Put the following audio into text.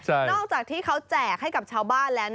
นอกจากที่เขาแจกให้กับชาวบ้านแล้ว